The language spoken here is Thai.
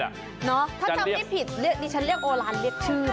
ถ้าจำไม่ผิดดิฉันเรียกโอลานเรียกชื่อ